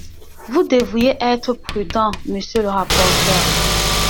Vous devriez être prudent, monsieur le rapporteur.